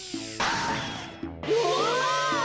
うわ！